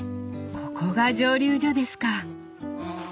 ここが蒸留所ですか！